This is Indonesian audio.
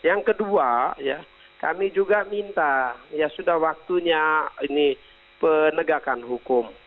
yang kedua ya kami juga minta ya sudah waktunya ini penegakan hukum